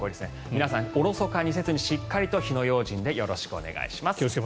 皆さん、おろそかにせずに火の用心でよろしくお願いします。